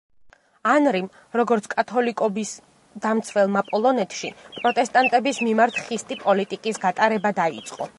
ანრიმ როგორც კათოლიკობის დამცველმა პოლონეთში პროტესტანტების მიმართ ხისტი პოლიტიკის გატარება დაიწყო.